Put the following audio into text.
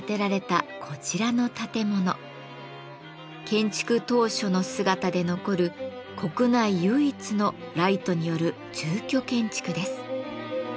建築当初の姿で残る国内唯一のライトによる住居建築です。